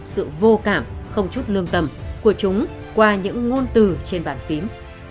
sự vô cảm không chút lương tầm của chúng qua những ngôn từ trên bản phím